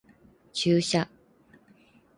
注射